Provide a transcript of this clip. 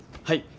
はい。